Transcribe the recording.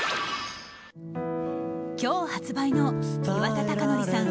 今日発売の岩田剛典さん